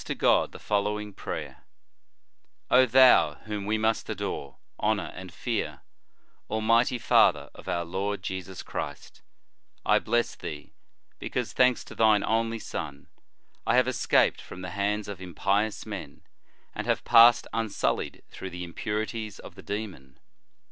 107 to God the following prayer :* O Thou whom we must adore, honor, and fear: Almighty Father of our Lord Jesus Christ, I bless thee, because, thanks to thine only Son, I have escaped from the hands of impious men, and have passed unsullied through the impurities of the demon.